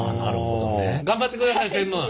頑張ってください専務。